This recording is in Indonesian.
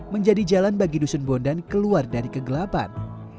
menjadi jalan bagi dusun bondan keluar dari kegelapan